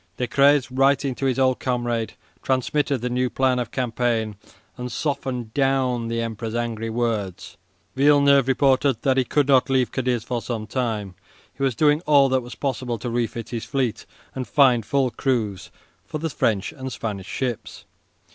Decrès, writing to his old comrade, transmitted the new plan of campaign and softened down the Emperor's angry words. Villeneuve reported that he could not leave Cadiz for some time. He was doing all that was possible to refit his fleet and find full crews for the French and Spanish ships.